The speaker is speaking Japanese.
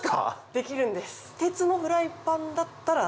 できるんです。